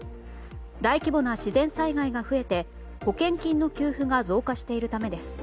大規模な自然災害が増えて保険金の給付が増加しているためです。